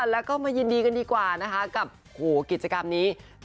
แล้วก็มายินดีกันดีกว่านะคะกับกิจกรรมนี้